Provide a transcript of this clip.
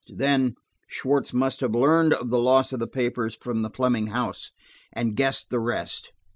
Then–Schwartz must have learned of the loss of the papers from the Fleming house, and guessed the rest.